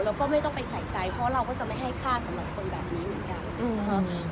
เราก็ไม่ต้องไปใส่ใจเพราะเราก็จะไม่ให้ค่าสำหรับคนแบบนี้เหมือนกันนะคะ